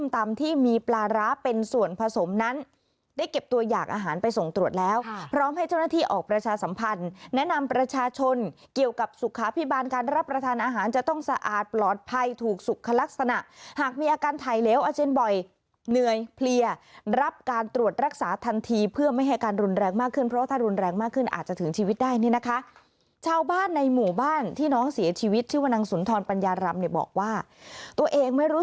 ตัวอยากอาหารไปส่งตรวจแล้วพร้อมให้เจ้าหน้าที่ออกประชาสัมพันธ์แนะนำประชาชนเกี่ยวกับสุขภิบาลการรับประทานอาหารจะต้องสะอาดปลอดภัยถูกสุขคลักษณะหากมีอาการไถเหลวอาเจนบ่อยเหนื่อยเพลียรับการตรวจรักษาทันทีเพื่อไม่ให้การรุนแรงมากขึ้นเพราะถ้ารุนแรงมากขึ้นอาจจะถึงชีวิตได